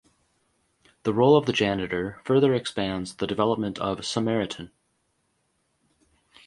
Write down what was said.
The role of the janitor further expands the development of "Samaritan".